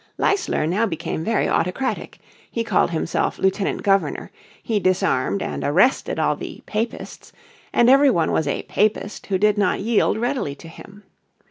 Leisler now became very autocratic. He called himself Lieutenant Governor, he disarmed and arrested all the "Papists," and every one was a "Papist" who did not yield readily to him.